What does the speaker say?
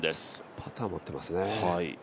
パターを持っていますね。